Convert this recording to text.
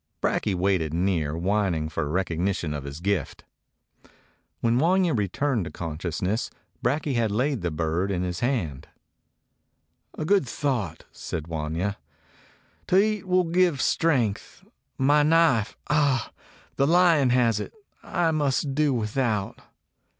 Brakje waited near, whining for recognition of his gift. When Wanya returned to consciousness Brakje had laid the bird in his hand. "A good thought," said Wanya. "To eat will give strength. My knife — ah, the lion has it. I must do without."